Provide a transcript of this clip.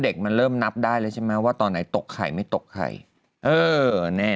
เด็กมันเริ่มนับได้แล้วใช่ไหมว่าตอนไหนตกไข่ไม่ตกไข่เออแน่